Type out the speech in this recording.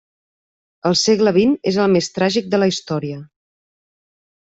El segle vint és el més tràgic de la història.